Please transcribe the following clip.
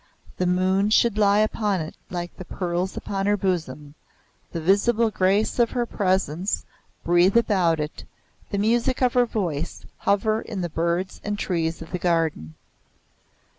The moon should lie upon it like the pearls upon her bosom, the visible grace of her presence breathe about it, the music of her voice hover in the birds and trees of the garden.